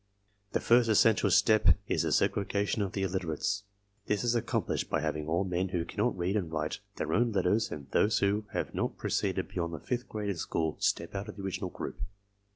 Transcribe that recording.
The first essential step is the segrega tion of the illiterates. This is accomplished by having all men who cannot read and write their own letters and those who have not proceeded beyond the fifth grade in school step out of the original group.